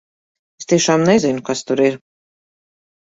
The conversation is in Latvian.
Es tiešām nezinu, kas tur ir!